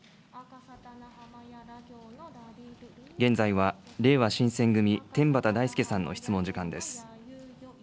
現在はれいわ新選組、天畠大輔さんの質問時間です。